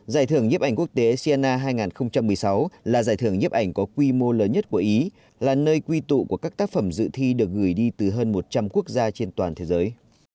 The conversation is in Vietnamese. giải thưởng nhếp ảnh quốc tế sina hai nghìn một mươi sáu là giải thưởng nhếp ảnh có quy mô lớn nhất của ý là nơi quy tụ của các tác phẩm dự thi được gửi đi từ hơn một trăm linh quốc gia trên toàn thế giới